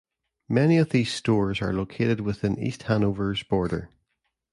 Many of these stores are located within East Hanover's border.